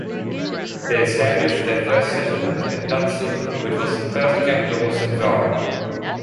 They established their first settlement at Dutsi which was the first capital of Zamfara.